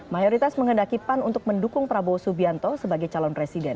mayoritas menghendaki pan untuk mendukung prabowo subianto sebagai calon presiden